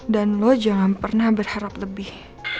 dan lo jangan pernah berharap lebih